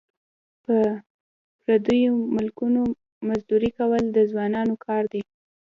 په پردیو ملکونو مزدوري کول د ځوانانو کار دی.